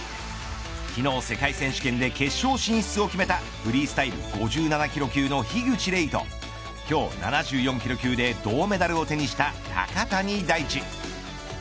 昨日、世界選手権で決勝進出を決めたフリースタイル５７キロ級の樋口黎と今日、７４キロ級で銅メダルを手にした高谷大地。